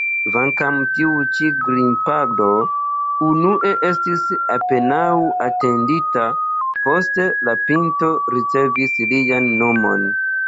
Kvankam tiu-ĉi grimpado unue estis apenaŭ atendita, poste la pinto ricevis lian nomon.